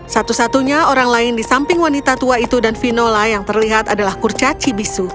satu satunya orang lain di samping wanita tua itu dan vinola yang terlihat adalah kurca cibisu